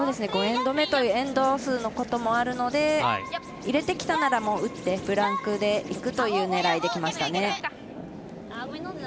５エンド目というエンド数のこともあるので入れてきたなら、もう打ってブランクでいくという狙いできましたね。